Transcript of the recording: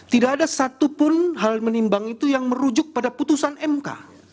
tidak ada satupun hal menimbang itu yang merujuk pada putusan mk